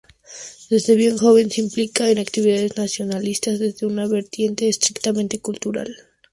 Desde bien joven se implica en actividades nacionalistas desde una vertiente estrictamente cultural.